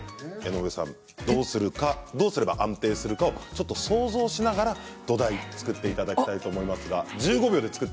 どうするか、どうすれば安定するかを想像しながら土台を作っていただきたいと思います。